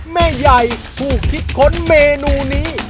แม่ใหญ่ผู้คิดค้นเมนูนี้